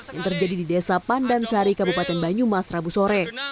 yang terjadi di desa pandansari kabupaten banyumas rabu sore